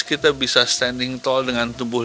kita bisa standing tall dengan tubuhnya